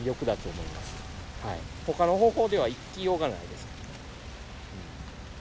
ほかの方法では行きようがないですから。